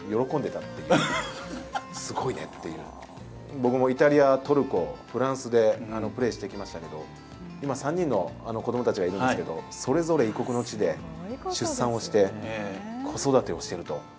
僕もイタリア、トルコ、フランスでプレーしてきましたけれども、今、３人の子供たちがいるんですけどそれぞれ異国の地で出産をして、子育てをしてると。